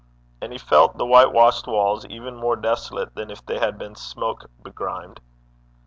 And he felt the white washed walls even more desolate than if they had been smoke begrimed.